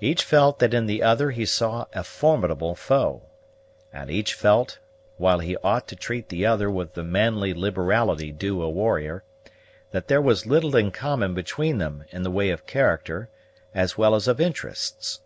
Each felt that in the other he saw a formidable foe; and each felt, while he ought to treat the other with the manly liberality due to a warrior, that there was little in common between them in the way of character as well as of interests.